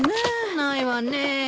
ないわねえ。